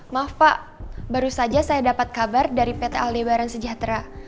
maaf pak baru saja saya dapat kabar dari pt aldi barang sejahtera